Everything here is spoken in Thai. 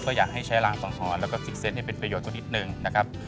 ก็อยากให้ใช้รางสังหรณ์แล้วก็ซิกเซนต์ให้เป็นประโยชน์กว่านิดนึงนะครับ